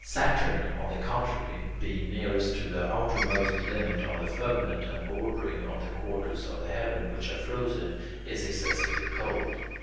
Saturn, on the contrary, being nearest to the outermost limit of the firmament and bordering on the quarters of the heaven which are frozen, is excessively cold.